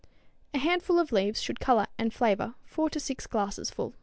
A handful of leaves should color and flavor four to six glasses full.